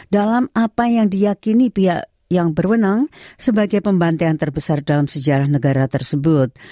dalam apa yang diakini pihak yang berwenang sebagai pembantaian terbesar dalam sejarah negara tersebut